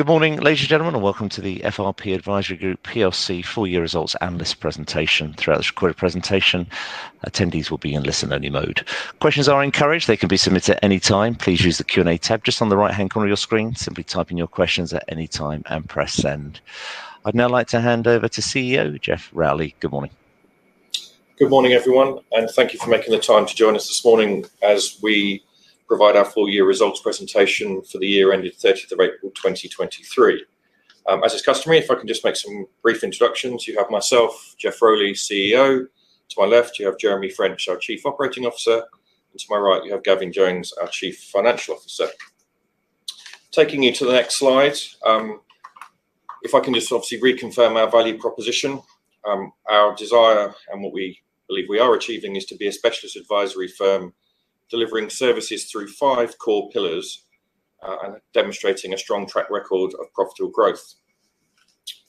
Good morning, ladies and gentlemen, and welcome to the FRP Advisory Group plc's four-year results analyst presentation. Throughout this recorded presentation, attendees will be in listen-only mode. Questions are encouraged. They can be submitted at any time. Please use the Q&A tab just on the right-hand corner of your screen. Simply type in your questions at any time and press send. I'd now like to hand over to CEO Geoff Rowley. Good morning. Good morning, everyone, and thank you for making the time to join us this morning as we provide our full-year results presentation for the year ending 30th of April 2023. As discussed to me, if I can just make some brief introductions, you have myself, Geoff Rowley, CEO. To my left, you have Jeremy French, our Chief Operating Officer. And to my right, you have Gavin Jones, our Chief Financial Officer. Taking you to the next slide, if I can just obviously reconfirm our value proposition, our desire, and what we believe we are achieving is to be a specialist advisory firm delivering services through five core pillars and demonstrating a strong track record of profitable growth.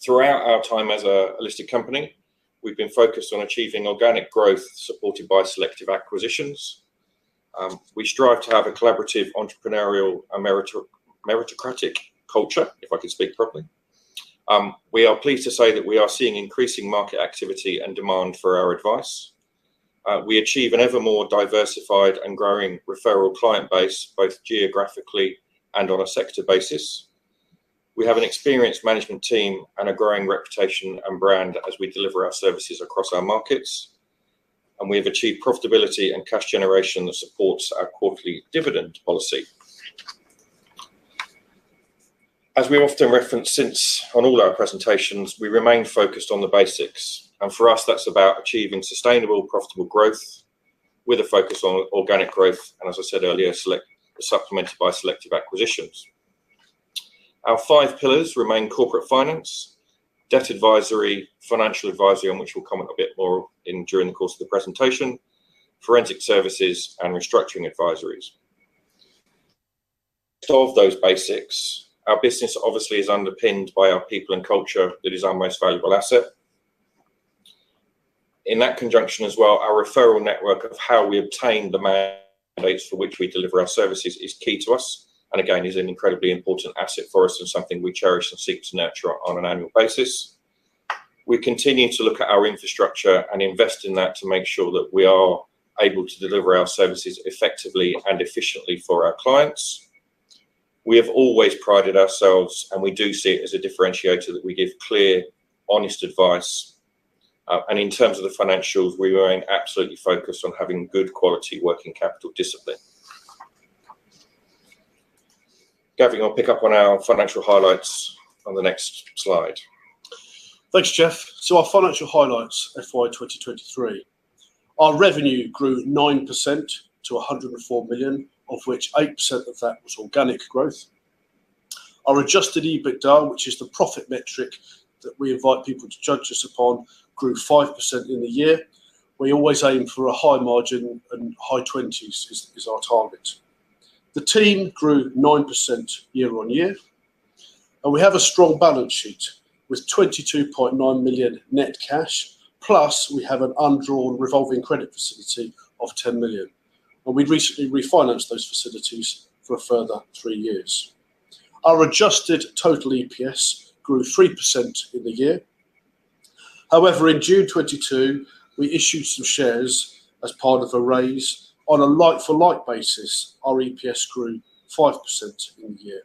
Throughout our time as a listed company, we've been focused on achieving organic growth supported by selective acquisitions. We strive to have a collaborative, entrepreneurial, and meritocratic culture, if I could speak properly. We are pleased to say that we are seeing increasing market activity and demand for our advice. We achieve an ever more diversified and growing referral client base, both geographically and on a sector basis. We have an experienced management team and a growing reputation and brand as we deliver our services across our markets, and we have achieved profitability and cash generation that supports our quarterly dividend policy. As we often reference since on all our presentations, we remain focused on the basics, and for us, that's about achieving sustainable, profitable growth with a focus on organic growth and, as I said earlier, supplemented by selective acquisitions. Our five pillars remain corporate finance, debt advisory, financial advisory, on which we'll comment a bit more during the course of the presentation, forensic services, and Restructuring Advisories. Of those basics, our business obviously is underpinned by our people and culture that is our most valuable asset. In that conjunction as well, our referral network of how we obtain the mandates for which we deliver our services is key to us and, again, is an incredibly important asset for us and something we cherish and seek to nurture on an annual basis. We continue to look at our infrastructure and invest in that to make sure that we are able to deliver our services effectively and efficiently for our clients. We have always prided ourselves, and we do see it as a differentiator that we give clear, honest advice, and in terms of the financials, we remain absolutely focused on having good quality working capital discipline. Gavin, I'll pick up on our financial highlights on the next slide. Thanks, Geoff. So our financial highlights FY 2023, our revenue grew 9% to 104 million, of which 8% of that was organic growth. Our Adjusted EBITDA, which is the profit metric that we invite people to judge us upon, grew 5% in the year. We always aim for a high margin and high 20s is our target. The team grew 9% year-on-year. And we have a strong balance sheet with 22.9 million net cash, plus we have an undrawn revolving credit facility of 10 million. And we recently refinanced those facilities for a further three years. Our adjusted total EPS grew 3% in the year. However, in June 2022, we issued some shares as part of a raise on a like-for-like basis. Our EPS grew 5% in the year.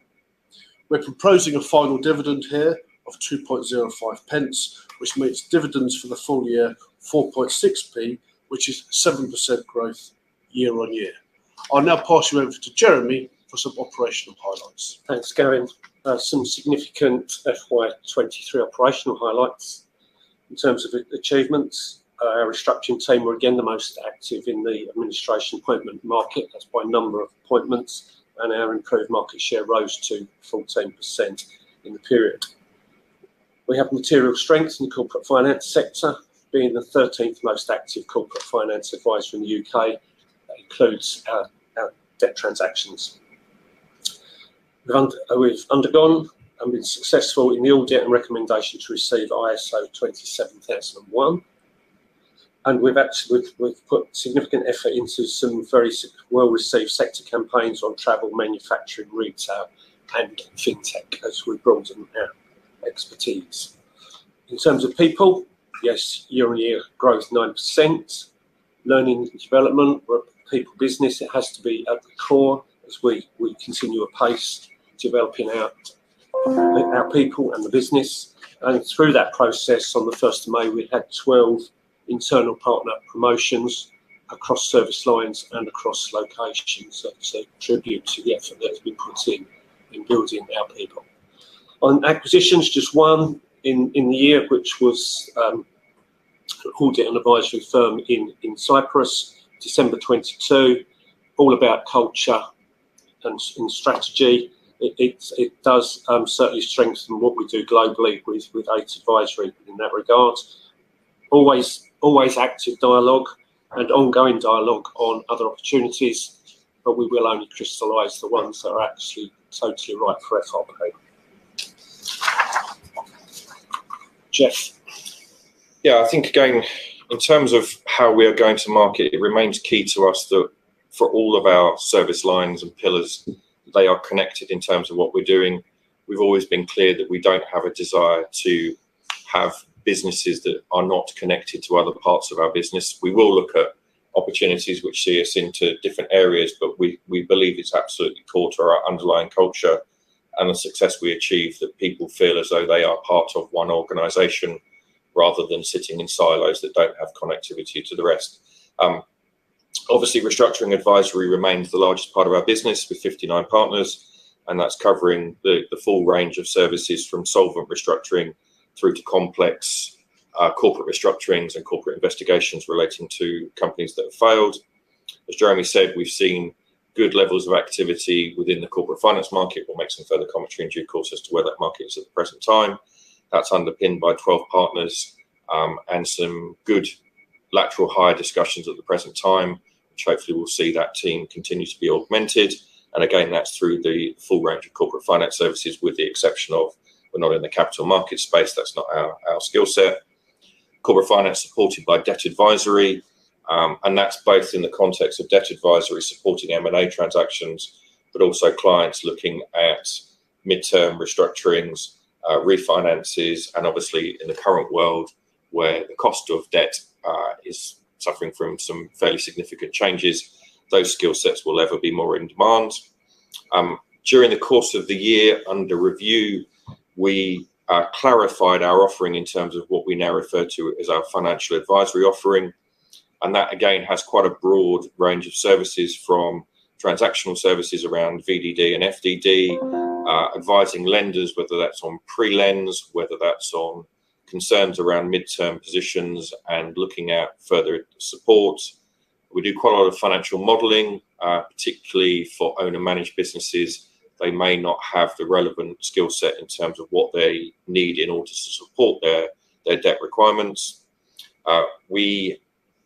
We're proposing a final dividend here of 2.04, which makes dividends for the full year 4.6, which is 7% growth year-on-year. I'll now pass you over to Jeremy for some operational highlights. Thanks, Gavin. Some significant FY 2023 operational highlights. In terms of achievements, our restructuring team were again the most active in the administration appointment market. That's by number of appointments. And our improved market share rose to 14% in the period. We have material strengths in the corporate finance sector, being the 13th most active corporate finance advisor in the U.K. That includes our debt transactions. We've undergone and been successful in the audit and recommendation to receive ISO 27001. And we've put significant effort into some very well-received sector campaigns on travel, manufacturing, retail, and fintech as we broaden our expertise. In terms of people, yes, year-on-year growth 9%. Learning and development, people, business, it has to be at the core as we continue apace developing our people and the business. Through that process, on the 1st of May, we've had 12 internal partner promotions across service lines and across locations that contribute to the effort that has been put in in building our people. On acquisitions, just one in the year, which was audit and advisory firm in Cyprus, December 2022, all about culture and strategy. It does certainly strengthen what we do globally with Eight Advisory in that regard. Always active dialogue and ongoing dialogue on other opportunities, but we will only crystallize the ones that are actually totally right for FRP. Geoff. Yeah, I think, again, in terms of how we are going to market, it remains key to us that for all of our service lines and pillars, they are connected in terms of what we're doing. We've always been clear that we don't have a desire to have businesses that are not connected to other parts of our business. We will look at opportunities which see us into different areas, but we believe it's absolutely core to our underlying culture and the success we achieve that people feel as though they are part of one organization rather than sitting in silos that don't have connectivity to the rest. Obviously, restructuring advisory remains the largest part of our business with 59 partners, and that's covering the full range of services from solvent restructuring through to complex corporate restructurings and corporate investigations relating to companies that have failed. As Jeremy said, we've seen good levels of activity within the corporate finance market. We'll make some further commentary in due course as to where that market is at the present time. That's underpinned by 12 partners and some good lateral hire discussions at the present time, which hopefully we'll see that team continue to be augmented. And again, that's through the full range of corporate finance services with the exception of we're not in the capital market space. That's not our skill set. Corporate finance supported by debt advisory. And that's both in the context of debt advisory supporting M&A transactions, but also clients looking at midterm restructurings, refinances, and obviously in the current world where the cost of debt is suffering from some fairly significant changes, those skill sets will ever be more in demand. During the course of the year under review, we clarified our offering in terms of what we now refer to as our financial advisory offering, and that, again, has quite a broad range of services from transactional services around VDD and FDD, advising lenders, whether that's on pre-lend, whether that's on concerns around mid-term positions and looking at further support. We do quite a lot of financial modeling, particularly for owner-managed businesses. They may not have the relevant skill set in terms of what they need in order to support their debt requirements. We,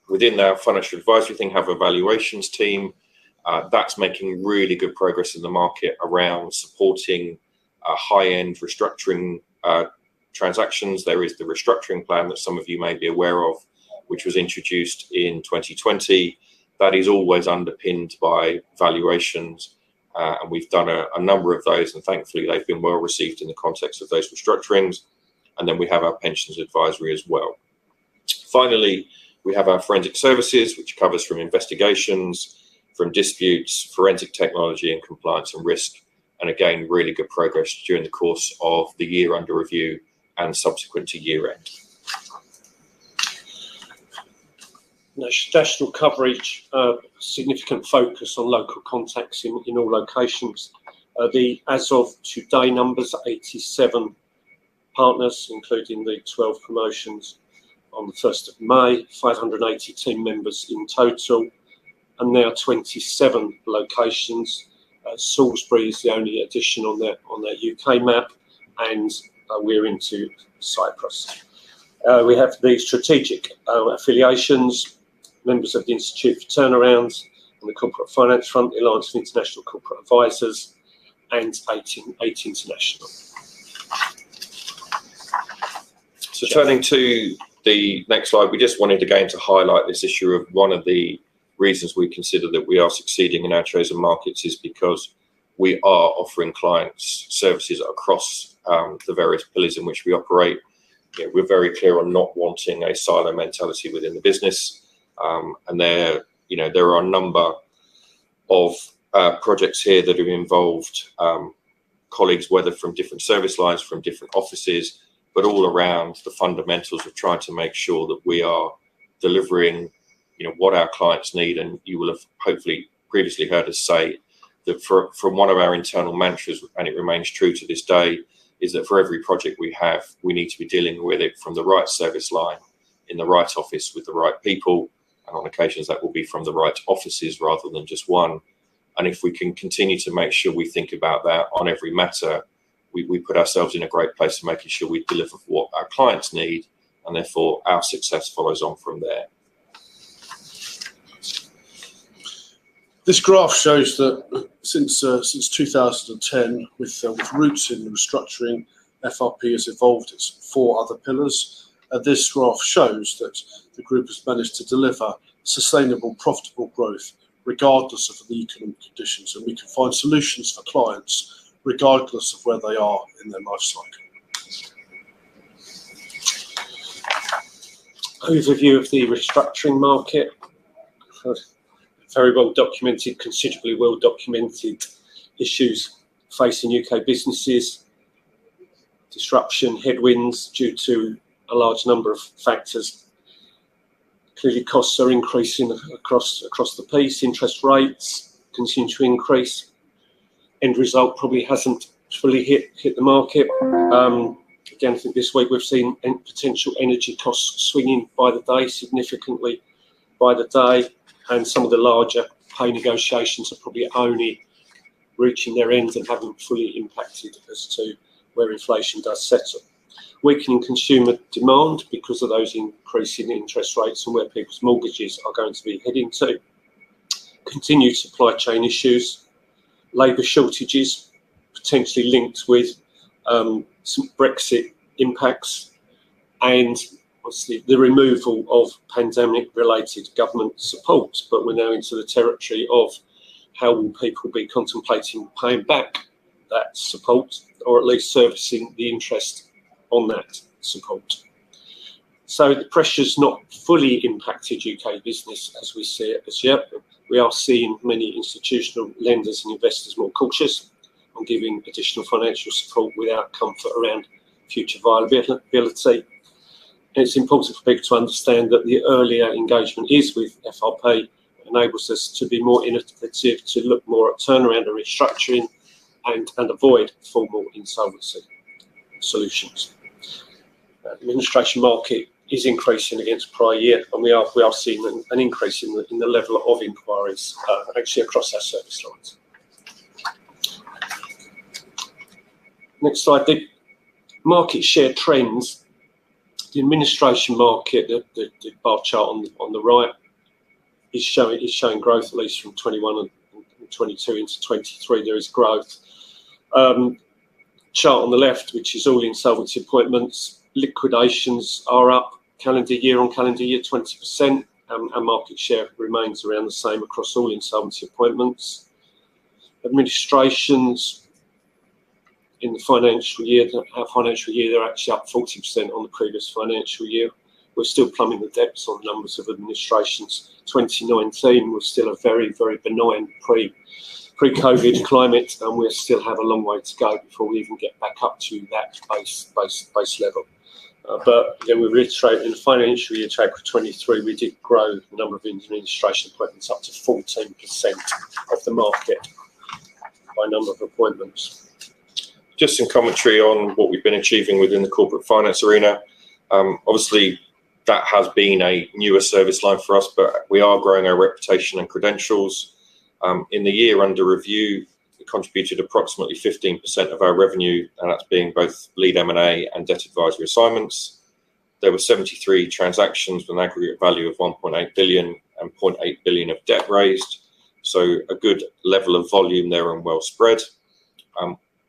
within our financial advisory thing, have a valuations team. That's making really good progress in the market around supporting high-end restructuring transactions. There is the restructuring plan that some of you may be aware of, which was introduced in 2020. That is always underpinned by valuations. And we've done a number of those, and thankfully they've been well received in the context of those restructurings. And then we have our pensions advisory as well. Finally, we have our forensic services, which covers from investigations, from disputes, forensic technology and compliance and risk. And again, really good progress during the course of the year under review and subsequent to year-end. National coverage, significant focus on local contacts in all locations. The as of today numbers are 87 partners, including the 12 promotions on the 1st of May, 580 team members in total, and now 27 locations. Salisbury is the only addition on that U.K. map, and we're into Cyprus. We have the strategic affiliations, members of the Institute for Turnaround on the corporate finance front, the Alliance of International Corporate Advisors, and Eight International. Turning to the next slide, we just wanted again to highlight this issue of one of the reasons we consider that we are succeeding in our chosen markets is because we are offering clients services across the various pillars in which we operate. We're very clear on not wanting a silo mentality within the business. There are a number of projects here that have involved colleagues, whether from different service lines, from different offices, but all around the fundamentals of trying to make sure that we are delivering what our clients need. You will have hopefully previously heard us say that from one of our internal mantras, and it remains true to this day, is that for every project we have, we need to be dealing with it from the right service line in the right office with the right people. And on occasions, that will be from the right offices rather than just one. And if we can continue to make sure we think about that on every matter, we put ourselves in a great place of making sure we deliver what our clients need, and therefore our success follows on from there. This graph shows that since 2010, with roots in restructuring, FRP has evolved its four other pillars. This graph shows that the group has managed to deliver sustainable, profitable growth regardless of the economic conditions. We can find solutions for clients regardless of where they are in their lifecycle. Overview of the restructuring market. Very well documented issues facing U.K. businesses. Disruption, headwinds due to a large number of factors. Clearly, costs are increasing across the piece. Interest rates continue to increase. End result probably hasn't fully hit the market. Again, I think this week we've seen potential energy costs swinging significantly by the day. Some of the larger pay negotiations are probably only reaching their end and haven't fully impacted as to where inflation does settle. Weakening consumer demand because of those increasing interest rates and where people's mortgages are going to be heading to. Continued supply chain issues. Labor shortages potentially linked with some Brexit impacts, and obviously the removal of pandemic-related government support, but we're now into the territory of how will people be contemplating paying back that support or at least servicing the interest on that support, so the pressure's not fully impacted U.K. business as we see it this year. We are seeing many institutional lenders and investors more cautious on giving additional financial support without comfort around future viability. It's important for people to understand that the earlier engagement is with FRP enables us to be more innovative, to look more at turnaround and restructuring, and avoid formal insolvency solutions. Administration market is increasing against prior year, and we are seeing an increase in the level of inquiries actually across our service lines. Next slide. Market share trends. The administration market, the bar chart on the right, is showing growth at least from 2021 and 2022 into 2023. There is growth. Chart on the left, which is all insolvency appointments. Liquidations are up. Year on calendar year, 20%. And market share remains around the same across all insolvency appointments. Administrations in the financial year, our financial year, they're actually up 40% on the previous financial year. We're still plumbing the depths on numbers of administrations. 2019 was still a very, very benign pre-COVID climate, and we still have a long way to go before we even get back up to that base level. But again, we've reiterated in the financial year track for 2023, we did grow the number of administration appointments up to 14% of the market by number of appointments. Just some commentary on what we've been achieving within the corporate finance arena. Obviously, that has been a newer service line for us, but we are growing our reputation and credentials. In the year under review, we contributed approximately 15% of our revenue, and that's being both lead M&A and debt advisory assignments. There were 73 transactions with an aggregate value of 1.8 billion and 0.8 billion of debt raised. So a good level of volume there and well spread.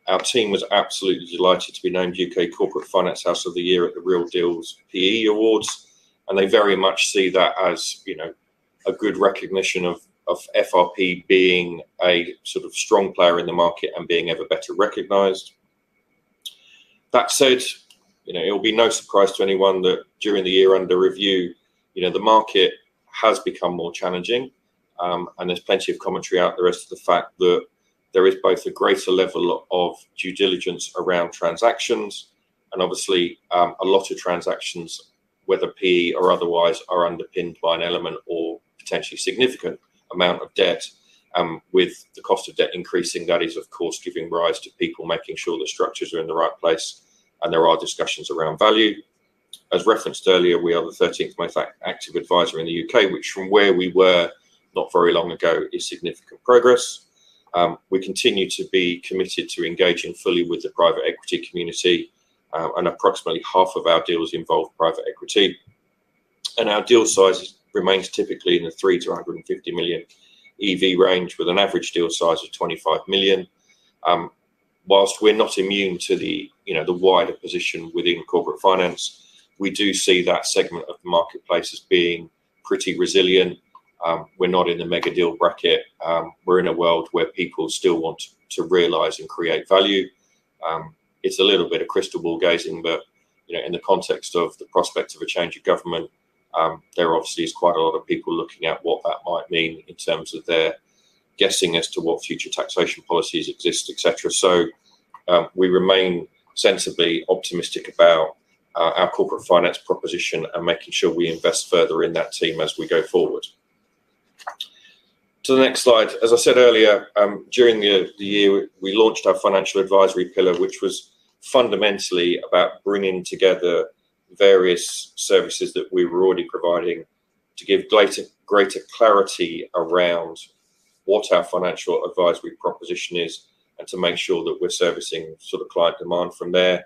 Our team was absolutely delighted to be named U.K. Corporate Finance House of the Year at the Real Deals PE Awards. And they very much see that as a good recognition of FRP being a sort of strong player in the market and being ever better recognized. That said, it will be no surprise to anyone that during the year under review, the market has become more challenging. There's plenty of commentary out there about the fact that there is both a greater level of due diligence around transactions. Obviously, a lot of transactions, whether PE or otherwise, are underpinned by an element or potentially significant amount of debt. With the cost of debt increasing, that is, of course, giving rise to people making sure the structures are in the right place. There are discussions around value. As referenced earlier, we are the 13th most active advisor in the U.K., which from where we were not very long ago is significant progress. We continue to be committed to engaging fully with the private equity community. Approximately half of our deals involve private equity. Our deal size remains typically in the 3-150 million EV range, with an average deal size of 25 million. While we're not immune to the wider position within corporate finance, we do see that segment of the marketplace as being pretty resilient. We're not in the mega deal bracket. We're in a world where people still want to realize and create value. It's a little bit of crystal ball gazing, but in the context of the prospect of a change of government, there obviously is quite a lot of people looking at what that might mean in terms of their guessing as to what future taxation policies exist, etc. So we remain sensibly optimistic about our corporate finance proposition and making sure we invest further in that team as we go forward. To the next slide. As I said earlier, during the year, we launched our financial advisory pillar, which was fundamentally about bringing together various services that we were already providing to give greater clarity around what our financial advisory proposition is and to make sure that we're servicing sort of client demand from there.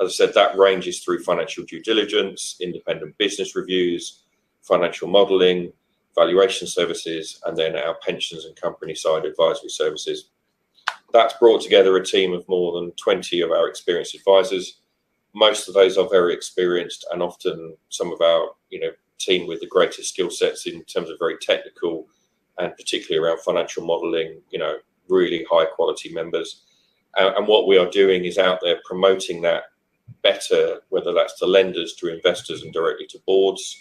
As I said, that ranges through financial due diligence, independent business reviews, financial modeling, valuation services, and then our pensions and company side advisory services. That's brought together a team of more than 20 of our experienced advisors. Most of those are very experienced and often some of our team with the greatest skill sets in terms of very technical and particularly around financial modeling, really high-quality members. And what we are doing is out there promoting that better, whether that's to lenders, to investors, and directly to boards.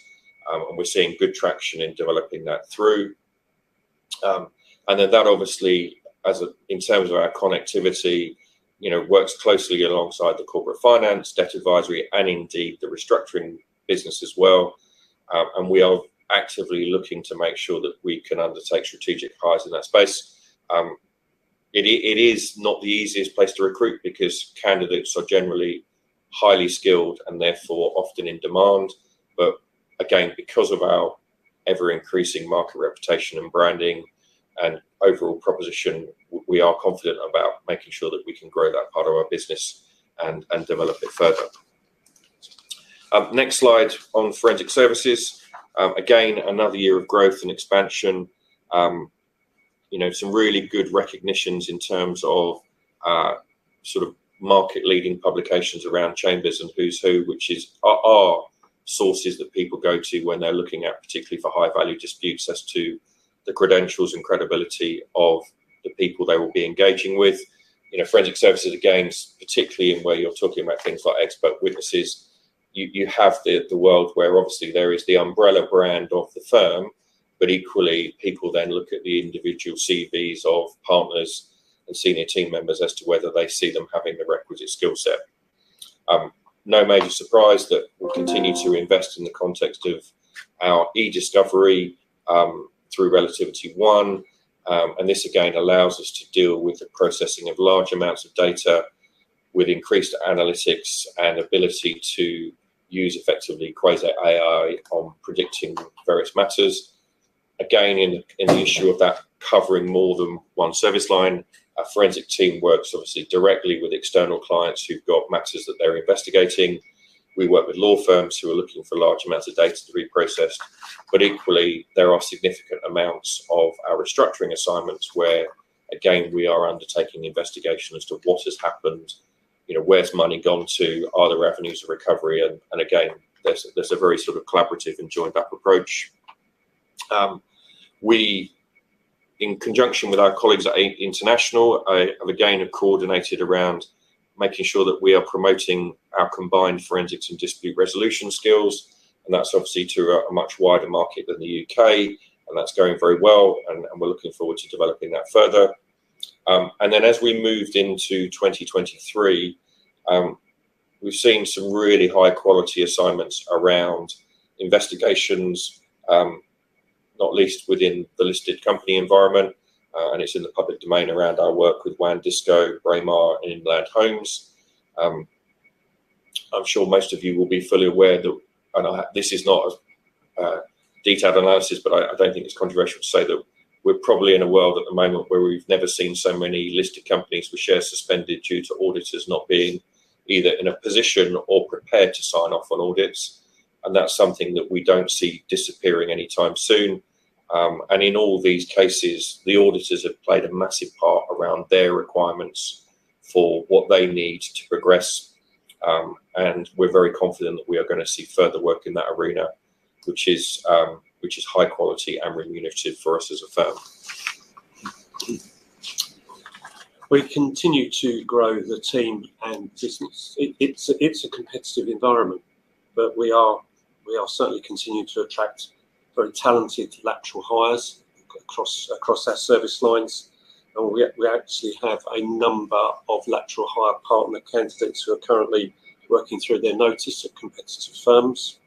And we're seeing good traction in developing that through. And then that obviously, in terms of our connectivity, works closely alongside the corporate finance, debt advisory, and indeed the restructuring business as well. And we are actively looking to make sure that we can undertake strategic hires in that space. It is not the easiest place to recruit because candidates are generally highly skilled and therefore often in demand. But again, because of our ever-increasing market reputation and branding and overall proposition, we are confident about making sure that we can grow that part of our business and develop it further. Next slide on forensic services. Again, another year of growth and expansion. Some really good recognitions in terms of sort of market-leading publications around Chambers and Who's Who, which are sources that people go to when they're looking at, particularly for high-value disputes as to the credentials and credibility of the people they will be engaging with. Forensic services, again, particularly in where you're talking about things like expert witnesses, you have the world where obviously there is the umbrella brand of the firm, but equally, people then look at the individual CVs of partners and senior team members as to whether they see them having the requisite skill set. No major surprise that we'll continue to invest in the context of our eDiscovery through RelativityOne. And this, again, allows us to deal with the processing of large amounts of data with increased analytics and ability to use effectively quasi-AI on predicting various matters. Again, in the issue of that covering more than one service line, our forensic team works obviously directly with external clients who've got matters that they're investigating. We work with law firms who are looking for large amounts of data to be processed. But equally, there are significant amounts of our restructuring assignments where, again, we are undertaking investigation as to what has happened, where's money gone to, are there avenues of recovery? And again, there's a very sort of collaborative and joined-up approach. We, in conjunction with our colleagues at Eight International, have again coordinated around making sure that we are promoting our combined forensics and dispute resolution skills. And that's obviously to a much wider market than the U.K.. And that's going very well. And we're looking forward to developing that further. And then as we moved into 2023, we've seen some really high-quality assignments around investigations, not least within the listed company environment. And it's in the public domain around our work with WANdisco, Braemar, and Inland Homes. I'm sure most of you will be fully aware that, and this is not a detailed analysis, but I don't think it's controversial to say that we're probably in a world at the moment where we've never seen so many listed companies with shares suspended due to auditors not being either in a position or prepared to sign off on audits, and that's something that we don't see disappearing anytime soon, and in all these cases, the auditors have played a massive part around their requirements for what they need to progress, and we're very confident that we are going to see further work in that arena, which is high-quality and remunerative for us as a firm. We continue to grow the team and business. It's a competitive environment, but we are certainly continuing to attract very talented lateral hires across our service lines. And we actually have a number of lateral hire partner candidates who are currently working through their notice at competitive firms.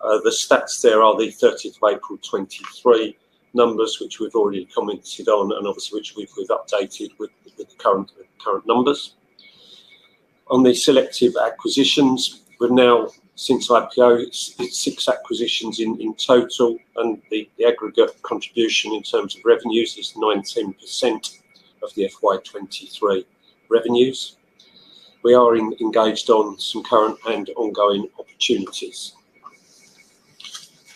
The stats there are the 30th of April 2023 numbers, which we've already commented on, and obviously which we've updated with the current numbers. On the selective acquisitions, we've now, since IPO, it's six acquisitions in total. And the aggregate contribution in terms of revenues is 19% of the FY23 revenues. We are engaged on some current and ongoing opportunities.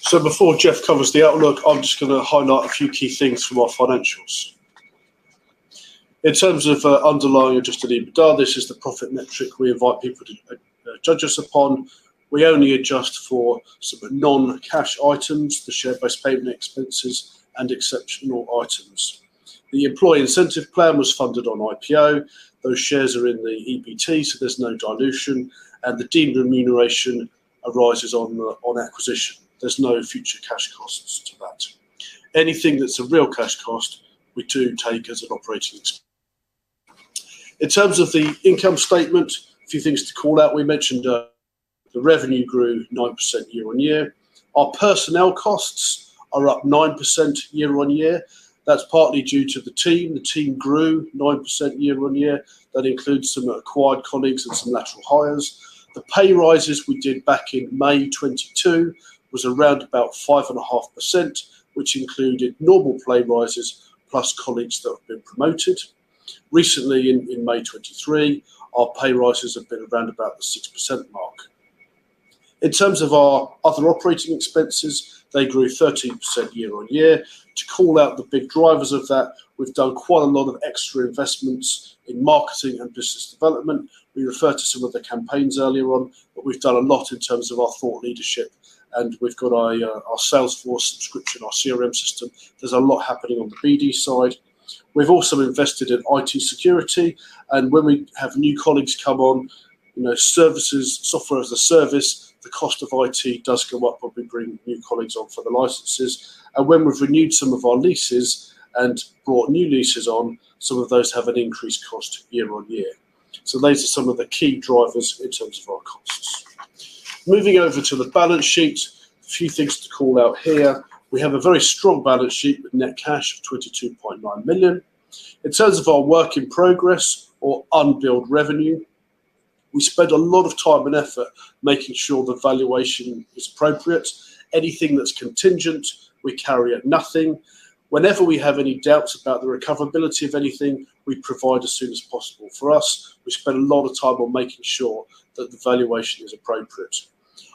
So before Geoff covers the outlook, I'm just going to highlight a few key things from our financials. In terms of underlying adjusted EBITDA, this is the profit metric we invite people to judge us upon. We only adjust for sort of non-cash items, the share-based payment expenses, and exceptional items. The employee incentive plan was funded on IPO. Those shares are in the EBT, so there's no dilution. The deemed remuneration arises on acquisition. There's no future cash costs to that. Anything that's a real cash cost, we do take as an operating expense. In terms of the income statement, a few things to call out. We mentioned the revenue grew 9% year-on-year. Our personnel costs are up 9% year-on-year. That's partly due to the team. The team grew 9% year-on-year. That includes some acquired colleagues and some lateral hires. The pay rises we did back in May 2022 was around about 5.5%, which included normal pay rises plus colleagues that have been promoted. Recently, in May 2023, our pay rises have been around about the 6% mark. In terms of our other operating expenses, they grew 13% year-on-year. To call out the big drivers of that, we've done quite a lot of extra investments in marketing and business development. We referred to some of the campaigns earlier on, but we've done a lot in terms of our thought leadership. And we've got our Salesforce subscription, our CRM system. There's a lot happening on the BD side. We've also invested in IT security. And when we have new colleagues come on, services, software as a service, the cost of IT does go up when we bring new colleagues on for the licenses. And when we've renewed some of our leases and brought new leases on, some of those have an increased cost year-on-year. So those are some of the key drivers in terms of our costs. Moving over to the balance sheet, a few things to call out here. We have a very strong balance sheet with net cash of 22.9 million. In terms of our work in progress or unbilled revenue, we spend a lot of time and effort making sure the valuation is appropriate. Anything that's contingent, we carry at nothing. Whenever we have any doubts about the recoverability of anything, we provide as soon as possible. For us, we spend a lot of time on making sure that the valuation is appropriate.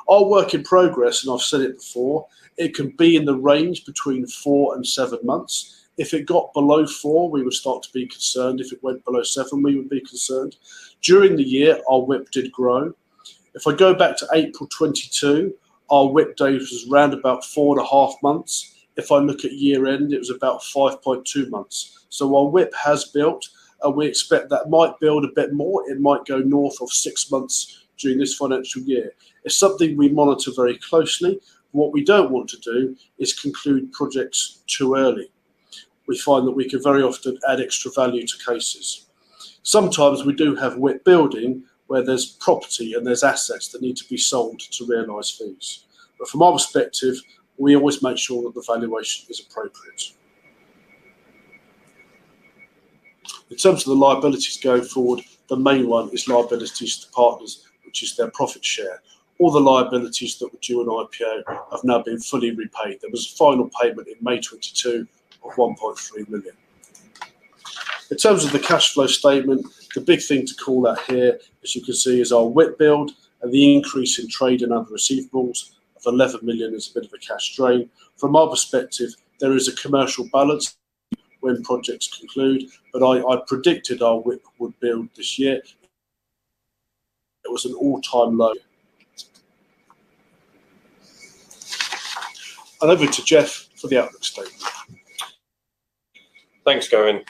Our work in progress, and I've said it before, it can be in the range between four and seven months. If it got below four, we would start to be concerned. If it went below seven, we would be concerned. During the year, our WIP did grow. If I go back to April 2022, our WIP date was around about four and a half months. If I look at year-end, it was about 5.2 months. So our WIP has built, and we expect that might build a bit more. It might go north of six months during this financial year. It's something we monitor very closely. What we don't want to do is conclude projects too early. We find that we can very often add extra value to cases. Sometimes we do have WIP building where there's property and there's assets that need to be sold to realize fees. But from our perspective, we always make sure that the valuation is appropriate. In terms of the liabilities going forward, the main one is liabilities to partners, which is their profit share. All the liabilities that were due in IPO have now been fully repaid. There was a final payment in May 2022 of 1.3 million. In terms of the cash flow statement, the big thing to call out here, as you can see, is our WIP build and the increase in trade and other receivables of 11 million is a bit of a cash strain. From our perspective, there is a commercial balance when projects conclude, but I predicted our WIP would build this year. It was an all-time low. And over to Geoff for the outlook statement. Thanks, Gavin.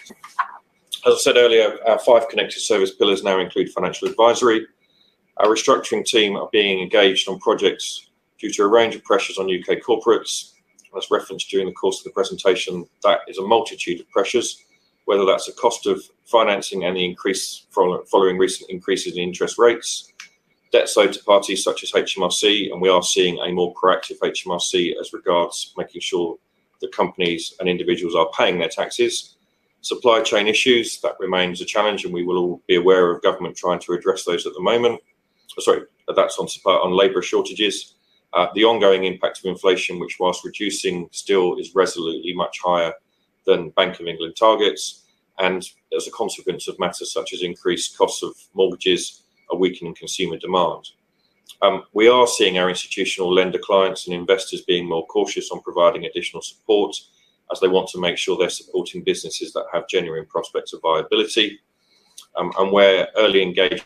As I said earlier, our five connected service pillars now include financial advisory. Our restructuring team are being engaged on projects due to a range of pressures on U.K. corporates. As referenced during the course of the presentation, that is a multitude of pressures, whether that's the cost of financing and the increase following recent increases in interest rates, debt stakeholders such as HMRC, and we are seeing a more proactive HMRC as regards making sure that companies and individuals are paying their taxes, supply chain issues. That remains a challenge, and we will all be aware of government trying to address those at the moment. Sorry, that's on labor shortages. The ongoing impact of inflation, which whilst reducing, still is relatively much higher than Bank of England target, and as a consequence of matters such as increased costs of mortgages, a weakening consumer demand. We are seeing our institutional lender clients and investors being more cautious on providing additional support as they want to make sure they're supporting businesses that have genuine prospects of viability. Where early engagement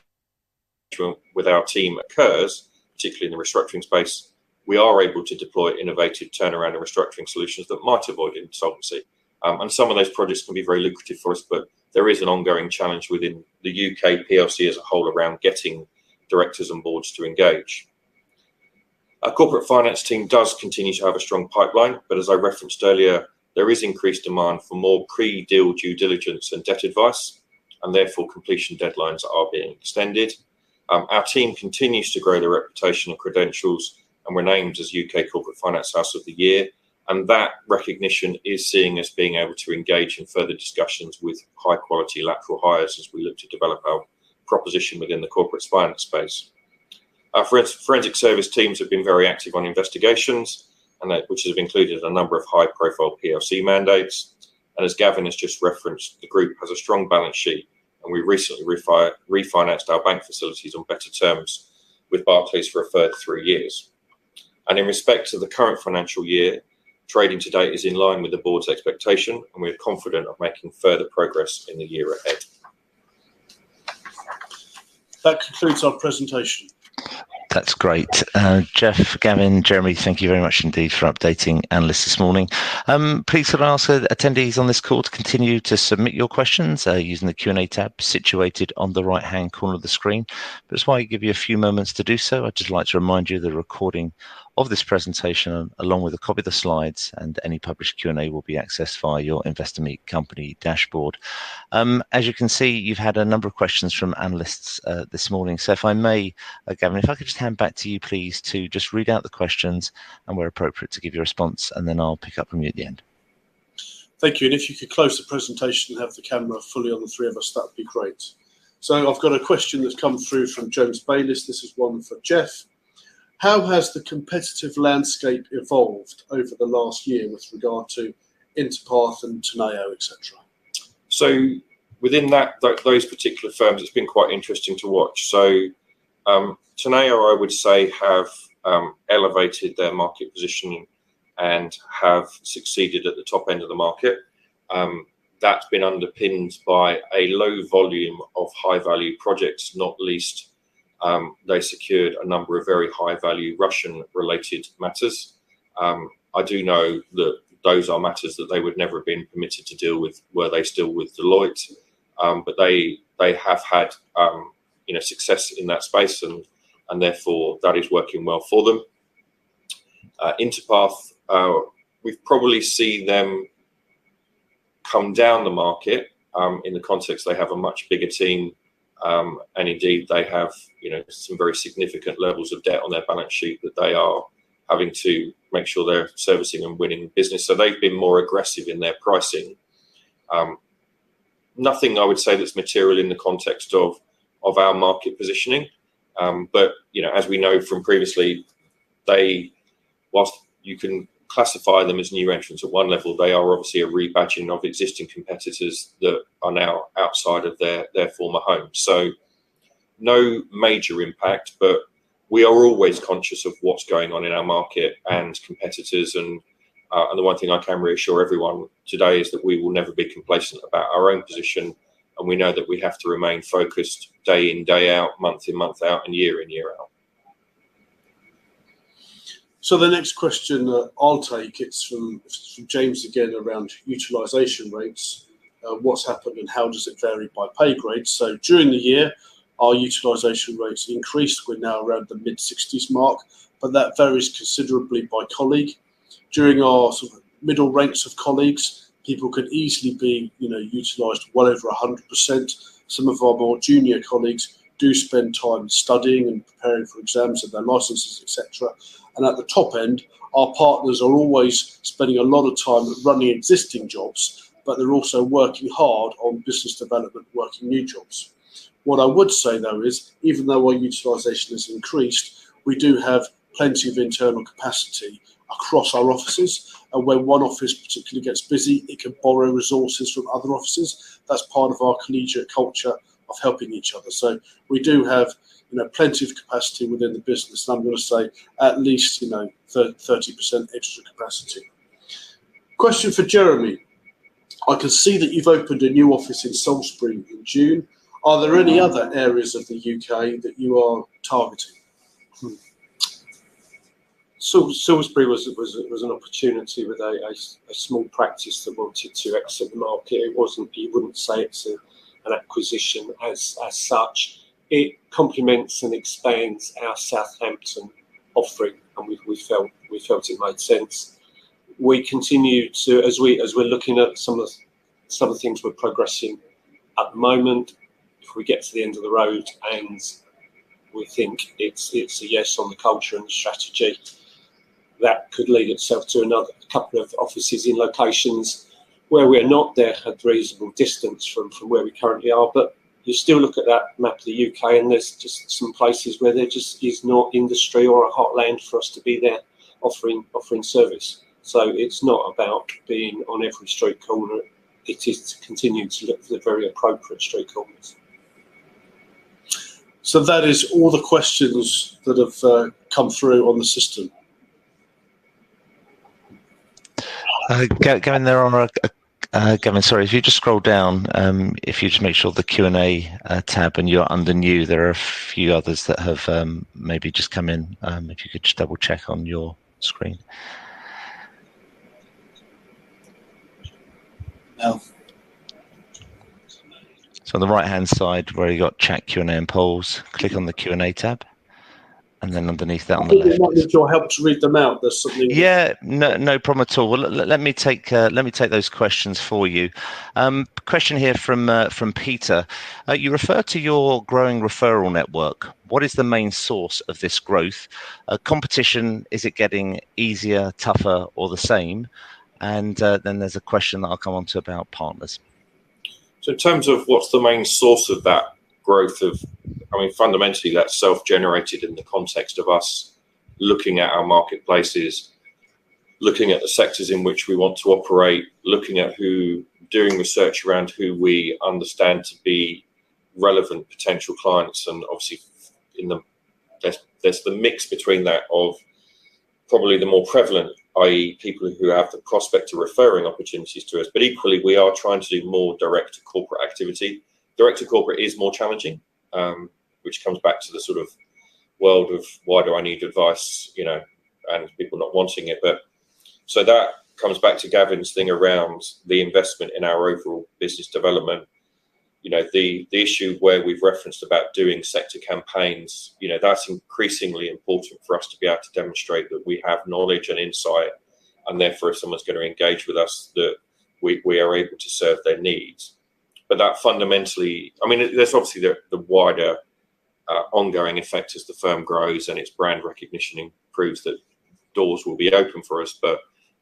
with our team occurs, particularly in the restructuring space, we are able to deploy innovative turnaround and restructuring solutions that might avoid insolvency. Some of those projects can be very lucrative for us, but there is an ongoing challenge within the U.K. PLC as a whole around getting directors and boards to engage. Our corporate finance team does continue to have a strong pipeline, but as I referenced earlier, there is increased demand for more pre-deal due diligence and debt advice, and therefore completion deadlines are being extended. Our team continues to grow the reputation and credentials, and we're named as U.K. Corporate Finance House of the Year. That recognition is seeing us being able to engage in further discussions with high-quality lateral hires as we look to develop our proposition within the corporate finance space. Our forensic service teams have been very active on investigations, which have included a number of high-profile PLC mandates, and as Gavin has just referenced, the group has a strong balance sheet, and we recently refinanced our bank facilities on better terms with Barclays for a further three years, and in respect to the current financial year, trading to date is in line with the board's expectation, and we are confident of making further progress in the year ahead. That concludes our presentation. That's great. Geoff, Gavin, Jeremy, thank you very much indeed for updating analysts this morning. Please allow us attendees on this call to continue to submit your questions using the Q&A tab situated on the right-hand corner of the screen. But just while I give you a few moments to do so, I'd just like to remind you of the recording of this presentation, along with a copy of the slides, and any published Q&A will be accessed via your Investor Meet Company dashboard. As you can see, you've had a number of questions from analysts this morning. So if I may, Gavin, if I could just hand back to you, please, to just read out the questions and where appropriate to give your response, and then I'll pick up from you at the end. Thank you. And if you could close the presentation and have the camera fully on the three of us, that would be great. So I've got a question that's come through from James Bayliss. This is one for Geoff. How has the competitive landscape evolved over the last year with regard to Interpath and Teneo, etc.? So within those particular firms, it's been quite interesting to watch. So Teneo, I would say, have elevated their market position and have succeeded at the top end of the market. That's been underpinned by a low volume of high-value projects, not least they secured a number of very high-value Russian-related matters. I do know that those are matters that they would never have been permitted to deal with were they still with Deloitte. But they have had success in that space, and therefore that is working well for them. Interpath, we've probably seen them come down the market in the context they have a much bigger team. And indeed, they have some very significant levels of debt on their balance sheet that they are having to make sure they're servicing and winning business. So they've been more aggressive in their pricing. Nothing I would say that's material in the context of our market positioning. But as we know from previously, whilst you can classify them as new entrants at one level, they are obviously a rebadging of existing competitors that are now outside of their former home. So no major impact, but we are always conscious of what's going on in our market and competitors. And the one thing I can reassure everyone today is that we will never be complacent about our own position, and we know that we have to remain focused day in, day out, month in, month out, and year in, year out. So the next question that I'll take, it's from James again around utilization rates. What's happened and how does it vary by pay grade? So during the year, our utilization rates increased. We're now around the mid-60s mark, but that varies considerably by colleague. During our middle ranks of colleagues, people could easily be utilized well over 100%. Some of our more junior colleagues do spend time studying and preparing for exams and their licenses, etc. And at the top end, our partners are always spending a lot of time running existing jobs, but they're also working hard on business development, working new jobs. What I would say, though, is even though our utilization has increased, we do have plenty of internal capacity across our offices. And when one office particularly gets busy, it can borrow resources from other offices. That's part of our collegiate culture of helping each other. We do have plenty of capacity within the business. I'm going to say at least 30% extra capacity. Question for Jeremy. I can see that you've opened a new office in Salisbury in June. Are there any other areas of the U.K. that you are targeting? Salisbury was an opportunity with a small practice that wanted to exit the market. I wouldn't say it's an acquisition as such. It complements and expands our Southampton offering, and we felt it made sense. We continue to, as we're looking at some of the things we're progressing at the moment, if we get to the end of the road and we think it's a yes on the culture and the strategy, that could lend itself to a couple of offices in locations where we are not there at a reasonable distance from where we currently are. But you still look at that map of the U.K., and there's just some places where there just is no industry or a hotbed for us to be there offering service. So it's not about being on every street corner. It is to continue to look for the very appropriate street corners. So that is all the questions that have come through on the system. Gavin, they're on a—Gavin, sorry. If you just scroll down, if you just make sure you're on the Q&A tab and under new, there are a few others that have maybe just come in. If you could just double-check on your screen, so on the right-hand side, where you've got chat, Q&A, and polls, click on the Q&A tab, and then underneath that on the left. If you wanted your help to read them out, there's something. Yeah, no problem at all. Let me take those questions for you. Question here from Peter. You refer to your growing referral network. What is the main source of this growth? Competition, is it getting easier, tougher, or the same? And then there's a question that I'll come on to about partners. So in terms of what's the main source of that growth of—I mean, fundamentally, that's self-generated in the context of us looking at our marketplaces, looking at the sectors in which we want to operate, looking at who—doing research around who we understand to be relevant potential clients. And obviously, there's the mix between that of probably the more prevalent, i.e., people who have the prospect of referring opportunities to us. But equally, we are trying to do more direct corporate activity. Direct to corporate is more challenging, which comes back to the sort of world of, "Why do I need advice?" and people not wanting it. So that comes back to Gavin's thing around the investment in our overall business development. The issue where we've referenced about doing sector campaigns, that's increasingly important for us to be able to demonstrate that we have knowledge and insight, and therefore, if someone's going to engage with us, that we are able to serve their needs. But that fundamentally, I mean, there's obviously the wider ongoing effect as the firm grows and its brand recognition proves that doors will be open for us. But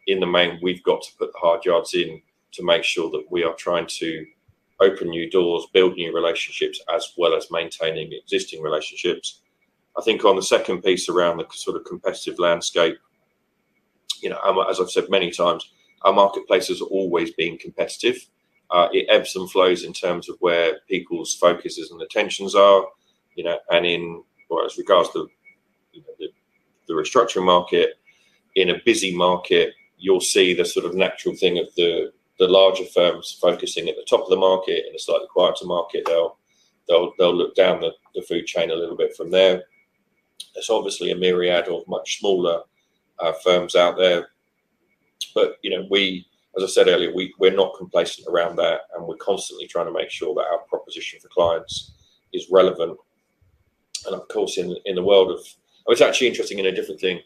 in the main, we've got to put the hard yards in to make sure that we are trying to open new doors, build new relationships, as well as maintaining existing relationships. I think on the second piece around the sort of competitive landscape, as I've said many times, our marketplaces are always being competitive. It ebbs and flows in terms of where people's focuses and attentions are. And in regards to the restructuring market, in a busy market, you'll see the sort of natural thing of the larger firms focusing at the top of the market and a slightly quieter market. They'll look down the food chain a little bit from there. There's obviously a myriad of much smaller firms out there. But as I said earlier, we're not complacent around that, and we're constantly trying to make sure that our proposition for clients is relevant. And of course, in the world of, it's actually interesting in a different thing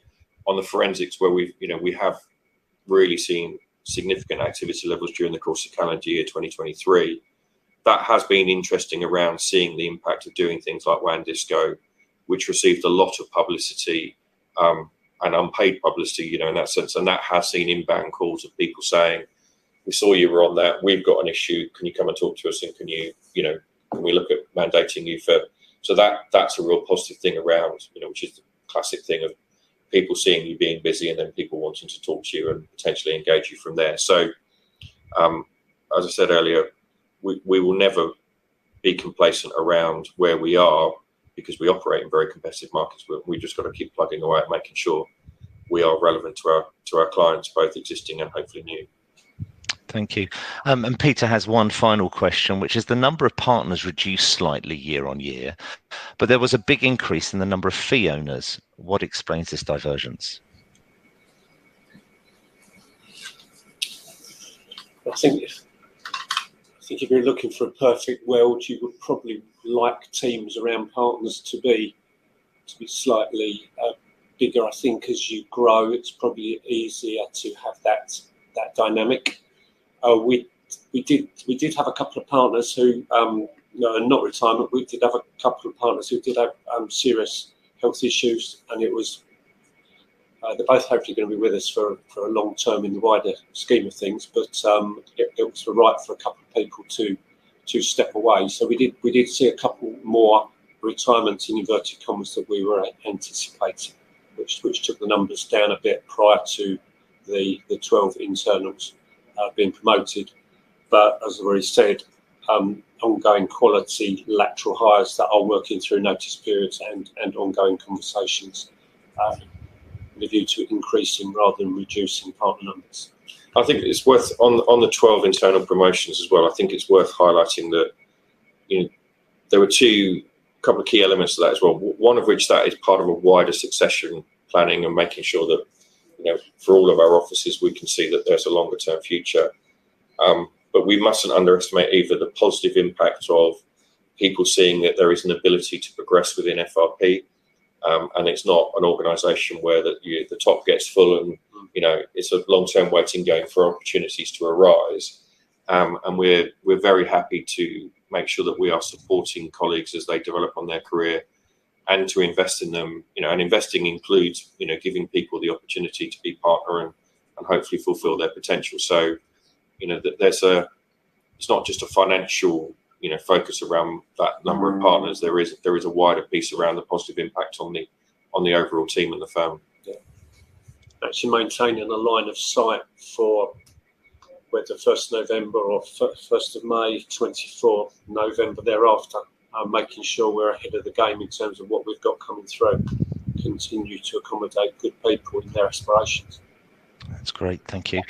on the forensics where we have really seen significant activity levels during the course of calendar year 2023. That has been interesting around seeing the impact of doing things like WANdisco, which received a lot of publicity and unpaid publicity in that sense, and that has seen inbound calls of people saying, "We saw you were on that. We've got an issue. Can you come and talk to us? And can we look at mandating you for—" so that's a real positive thing around, which is the classic thing of people seeing you being busy and then people wanting to talk to you and potentially engage you from there, so as I said earlier, we will never be complacent around where we are because we operate in very competitive markets. We've just got to keep plugging away and making sure we are relevant to our clients, both existing and hopefully new. Thank you. Peter has one final question, which is the number of partners reduced slightly year-on-year, but there was a big increase in the number of fee owners. What explains this divergence? I think if you're looking for a perfect world, you would probably like teams around partners to be slightly bigger. I think as you grow, it's probably easier to have that dynamic. We did have a couple of partners who are not retirement. We did have a couple of partners who did have serious health issues, and they're both hopefully going to be with us for a long term in the wider scheme of things. But it was right for a couple of people to step away. So we did see a couple more retirements in inverted commas that we were anticipating, which took the numbers down a bit prior to the 12 internals being promoted. But as I've already said, ongoing quality lateral hires that are working through notice periods and ongoing conversations lead to increasing rather than reducing partner numbers. I think it's worth, on the 12 internal promotions as well, I think it's worth highlighting that there were two couple of key elements to that as well, one of which that is part of a wider succession planning and making sure that for all of our offices, we can see that there's a longer-term future. But we mustn't underestimate either the positive impact of people seeing that there is an ability to progress within FRP. And it's not an organization where the top gets full, and it's a long-term waiting game for opportunities to arise. And we're very happy to make sure that we are supporting colleagues as they develop on their career and to invest in them. Investing includes giving people the opportunity to be partner and hopefully fulfill their potential. So it's not just a financial focus around that number of partners. There is a wider piece around the positive impact on the overall team and the firm. Yeah. Actually maintaining a line of sight for whether 1st November or 1st of May, 24th November thereafter, making sure we're ahead of the game in terms of what we've got coming through, continue to accommodate good people in their aspirations. That's great. Thank you.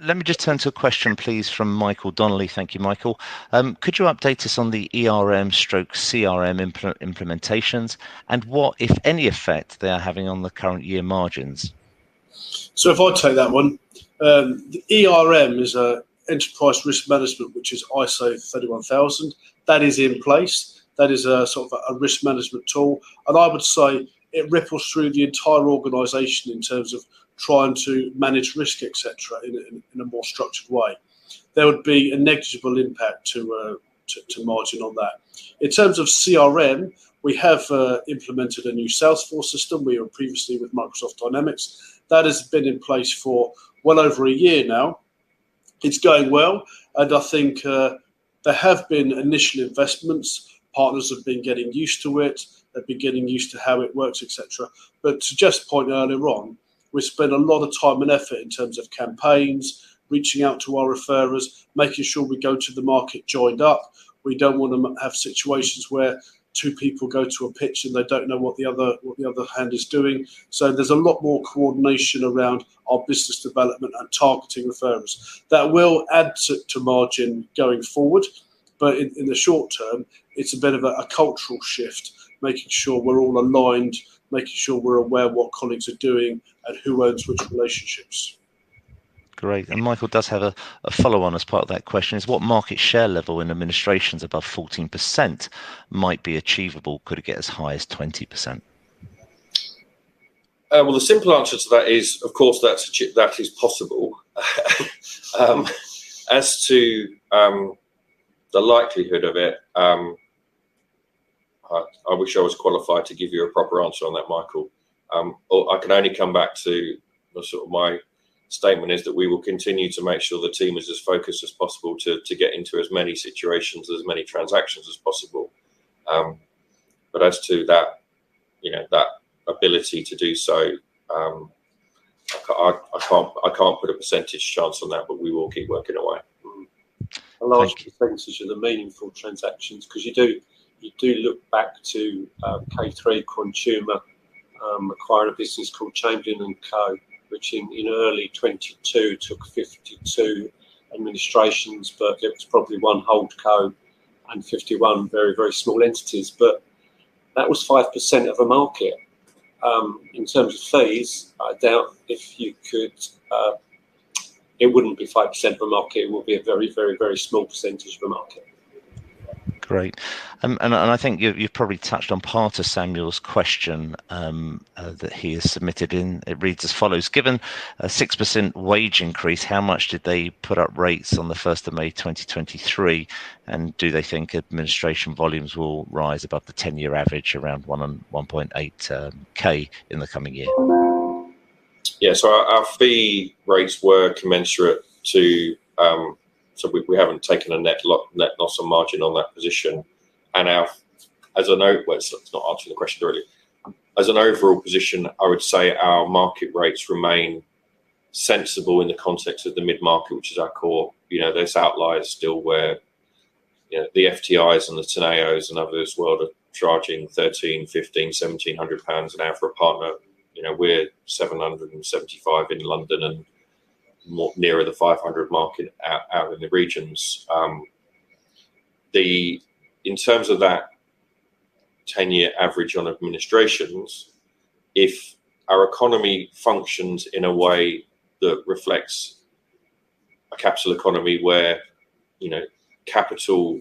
Let me just turn to a question, please, from Michael Donnelly. Thank you, Michael. Could you update us on the ERM/CRM implementations and what, if any, effect they are having on the current year margins? So if I take that one, the ERM is an enterprise risk management, which is ISO 31000. That is in place. That is a sort of a risk management tool. And I would say it ripples through the entire organization in terms of trying to manage risk, etc., in a more structured way. There would be a negligible impact to margin on that. In terms of CRM, we have implemented a new Salesforce system. We were previously with Microsoft Dynamics. That has been in place for well over a year now. It's going well. And I think there have been initial investments. Partners have been getting used to it. They've been getting used to how it works, etc. But to just point earlier on, we spend a lot of time and effort in terms of campaigns, reaching out to our referrers, making sure we go to the market joined up. We don't want to have situations where two people go to a pitch and they don't know what the other hand is doing. So there's a lot more coordination around our business development and targeting referrers. That will add to margin going forward. But in the short term, it's a bit of a cultural shift, making sure we're all aligned, making sure we're aware of what colleagues are doing and who owns which relationships. Great. And Michael does have a follow-on as part of that question is what market share level in administrations above 14% might be achievable? Could it get as high as 20%? Well, the simple answer to that is, of course, that is possible. As to the likelihood of it, I wish I was qualified to give you a proper answer on that, Michael. I can only come back to sort of my statement is that we will continue to make sure the team is as focused as possible to get into as many situations, as many transactions as possible. But as to that ability to do so, I can't put a percentage chance on that, but we will keep working away. A large percentage of the meaningful transactions because you do look back to K3 Quantuma, acquired a business called Champion and Co., which in early 2022 took 52 administrations, but it was probably one hold Co. and 51 very, very small entities. But that was 5% of a market. In terms of fees, I doubt if you could—it wouldn't be 5% of a market. It would be a very, very, very small percentage of a market. Great. I think you've probably touched on part of Samuel's question that he has submitted in. It reads as follows: "Given a 6% wage increase, how much did they put up rates on the 1st of May 2023? And do they think administration volumes will rise above the 10-year average around 1.8K in the coming year?" Yeah. So our fee rates were commensurate to, so we haven't taken a net loss or margin on that position. And as I know, well, it's not answering the question really. As an overall position, I would say our market rates remain sensible in the context of the mid-market, which is our core. The outliers still where the FTIs and the Teneos and others world are charging 1,300, 1,500, 1,700 pounds an hour for a partner. We're 775 in London and nearer the 500 market out in the regions. In terms of that 10-year average on administrations, if our economy functions in a way that reflects a capital economy where capital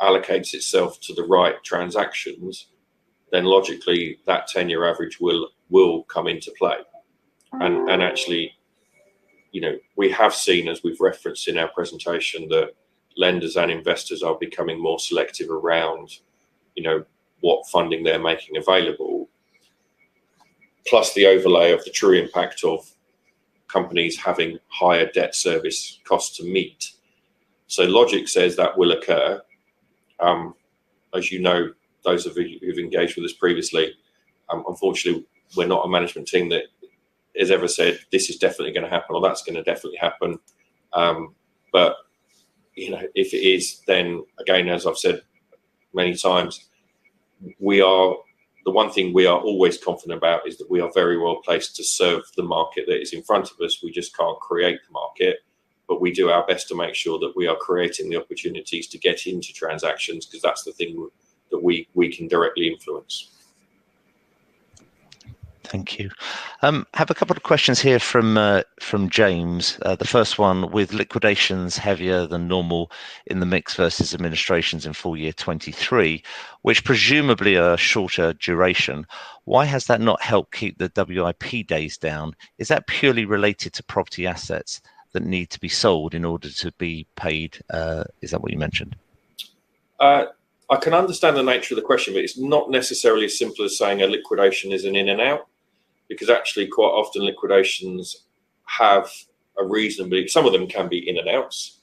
allocates itself to the right transactions, then logically, that 10-year average will come into play. And actually, we have seen, as we've referenced in our presentation, that lenders and investors are becoming more selective around what funding they're making available, plus the overlay of the true impact of companies having higher debt service costs to meet. So logic says that will occur. As you know, those of you who've engaged with us previously, unfortunately, we're not a management team that has ever said, "This is definitely going to happen," or, "That's going to definitely happen." But if it is, then again, as I've said many times, the one thing we are always confident about is that we are very well placed to serve the market that is in front of us. We just can't create the market, but we do our best to make sure that we are creating the opportunities to get into transactions because that's the thing that we can directly influence. Thank you. I have a couple of questions here from James. The first one with liquidations heavier than normal in the mix versus administrations in full year 2023, which presumably are shorter duration. Why has that not helped keep the WIP days down? Is that purely related to property assets that need to be sold in order to be paid? Is that what you mentioned? I can understand the nature of the question, but it's not necessarily as simple as saying a liquidation is an in and out because actually, quite often, liquidations have a reasonably, some of them can be in and outs,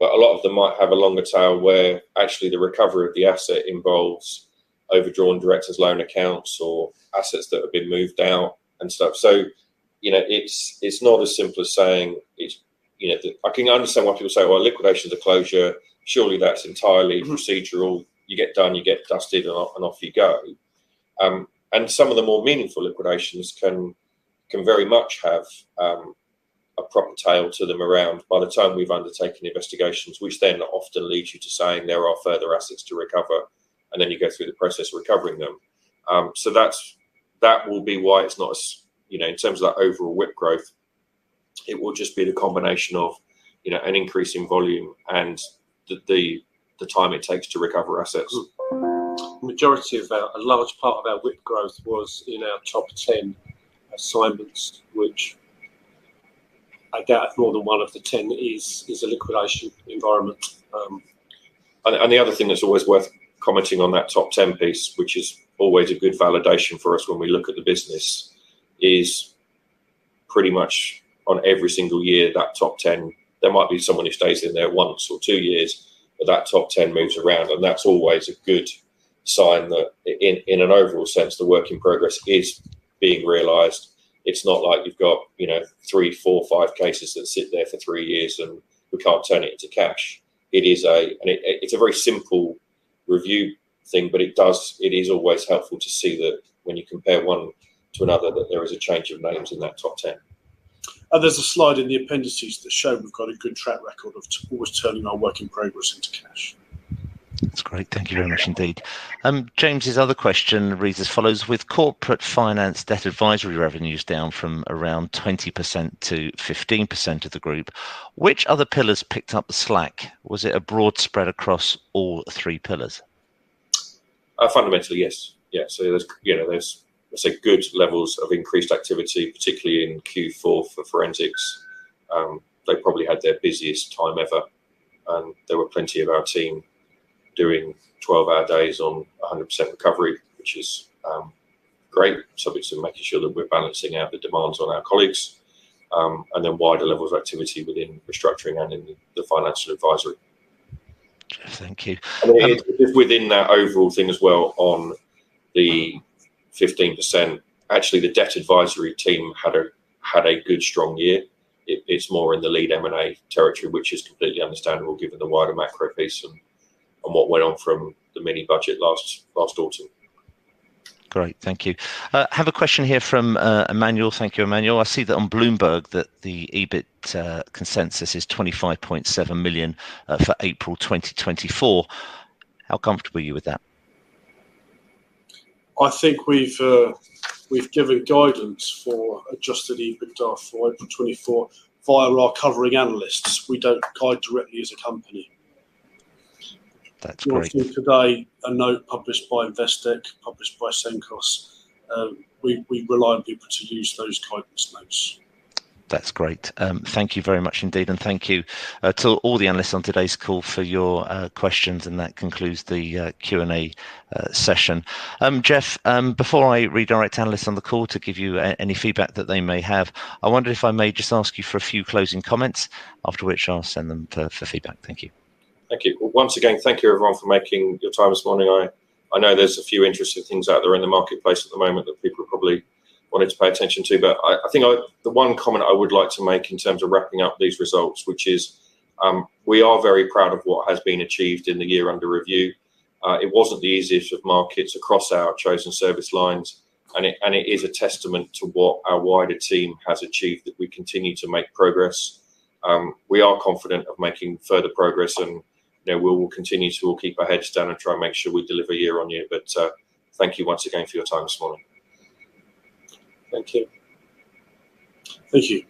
but a lot of them might have a longer tail where actually the recovery of the asset involves overdrawn directors' loan accounts or assets that have been moved out and stuff. So it's not as simple as saying it's, I can understand why people say, "Well, liquidation is a closure. Surely that's entirely procedural. You get done, you get dusted, and off you go," and some of the more meaningful liquidations can very much have a proper tail to them around by the time we've undertaken investigations, which then often leads you to saying there are further assets to recover, and then you go through the process of recovering them. So that will be why it's not as, in terms of that overall WIP growth, it will just be the combination of an increase in volume and the time it takes to recover assets. The majority of a large part of our WIP growth was in our top 10 assignments, which I doubt if more than one of the 10 is a liquidation environment. And the other thing that's always worth commenting on that top 10 piece, which is always a good validation for us when we look at the business, is pretty much on every single year, that top 10. There might be someone who stays in there one or two years, but that top 10 moves around. And that's always a good sign that in an overall sense, the work in progress is being realized. It's not like you've got three, four, five cases that sit there for three years and we can't turn it into cash. It's a very simple review thing, but it is always helpful to see that when you compare one to another, that there is a change of names in that top 10. And there's a slide in the appendices that show we've got a good track record of almost turning our work in progress into cash. That's great. Thank you very much indeed. James's other question reads as follows: "With corporate finance debt advisory revenues down from around 20% to 15% of the group, which other pillars picked up the slack? Was it a broad spread across all three pillars?" Fundamentally, yes. Yeah. So there's, I'd say, good levels of increased activity, particularly in Q4 for forensics. They probably had their busiest time ever. And there were plenty of our team doing 12-hour days on 100% recovery, which is great, subject to making sure that we're balancing out the demands on our colleagues. And then wider levels of activity within restructuring and in the financial advisory. Thank you. And within that overall thing as well on the 15%, actually, the debt advisory team had a good, strong year. It's more in the lead M&A territory, which is completely understandable given the wider macro piece and what went on from the Mini-Budget last autumn. Great. Thank you. I have a question here from Emmanuel. Thank you, Emmanuel. I see that on Bloomberg that the EBIT consensus is 25.7 million for April 2024. How comfortable are you with that? I think we've given guidance for Adjusted EBITDA for April 2024 via our covering analysts. We don't guide directly as a company. That's great. We'll see today a note published by Investec, published by Cenkos. We rely on people to use those guidance notes. That's great. Thank you very much indeed. And thank you to all the analysts on today's call for your questions. And that concludes the Q&A session. Geoff, before I redirect analysts on the call to give you any feedback that they may have, I wondered if I may just ask you for a few closing comments, after which I'll send them for feedback. Thank you. Thank you. Once again, thank you, everyone, for taking the time this morning. I know there's a few interesting things out there in the marketplace at the moment that people probably wanted to pay attention to, but I think the one comment I would like to make in terms of wrapping up these results, which is we are very proud of what has been achieved in the year under review. It wasn't the easiest of markets across our chosen service lines, and it is a testament to what our wider team has achieved that we continue to make progress. We are confident of making further progress. We will continue to keep our heads down and try and make sure we deliver year-on-year. Thank you once again for your time this morning. Thank you. Thank you.